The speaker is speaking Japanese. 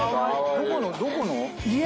どこの？どこの？